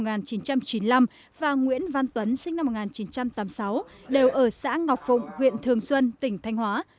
nguyễn ngọc đức sinh năm một nghìn chín trăm chín mươi năm và nguyễn văn tuấn sinh năm một nghìn chín trăm tám mươi sáu đều ở xã ngọc phụng huyện thường xuân tỉnh thanh hóa